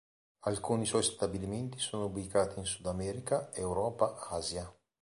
Alcuni suoi stabilimenti sono ubicati in Sud America, Europa, Asia.